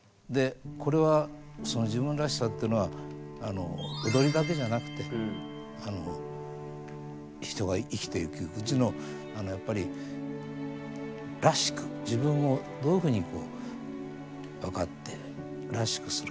これは自分らしさってのは踊りだけじゃなくて人が生きていくうちのやっぱり「らしく」自分をどういうふうに分かって「らしく」する。